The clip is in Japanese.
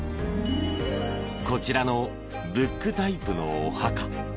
こちらのブックタイプのお墓。